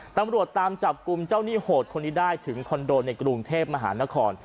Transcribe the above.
ตำรวจตามจับกลุ่มเจ้าหนี้โหดคนนี้ได้ถึงคอนโดในกรุงเทพมหานคร